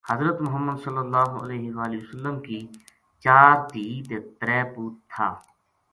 حضرت محمد ﷺ کی چار تہیں تے ترے پوت تھا۔